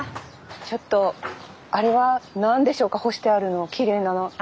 ちょっとあれは何でしょうか干してあるのきれいなの。